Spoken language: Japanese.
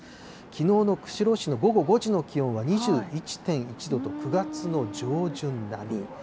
きのうの釧路市の午後５時の気温は２１．１度と、９月の上旬並み。